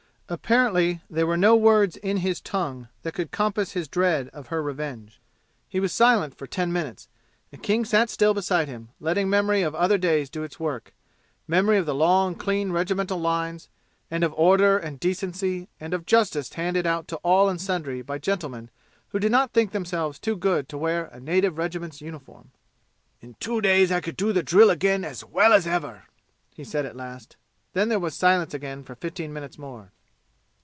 Apparently there were no words in his tongue that could compass his dread of her revenge. He was silent for ten minutes, and King sat still beside him, letting memory of other days do its work memory of the long, clean regimental lines, and of order and decency and of justice handed out to all and sundry by gentlemen who did not think themselves too good to wear a native regiment's uniform. "In two days I could do the drill again as well as ever," he said at last. Then there was silence again for fifteen minutes more.